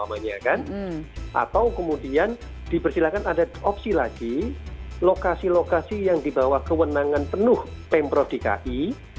atau kemudian di persilahkan ada opsi lagi lokasi lokasi yang dibawa kewenangan penuh pemprov dki